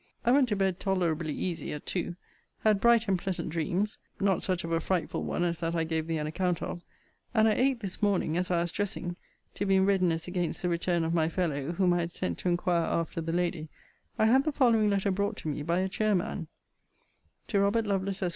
I went to bed tolerably easy at two; had bright and pleasant dreams; (not such of a frightful one as that I gave thee an account of;) and at eight this morning, as I was dressing, to be in readiness against the return of my fellow, whom I had sent to inquire after the lady, I had the following letter brought to me by a chairman: TO ROBERT LOVELACE, ESQ.